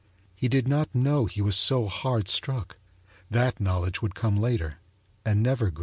He did not know he was so hard struck; that knowledge would come later, and never go.